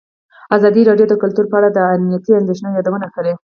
ازادي راډیو د کلتور په اړه د امنیتي اندېښنو یادونه کړې.